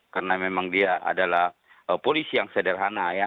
karena memang dia adalah polisi yang sederhana ya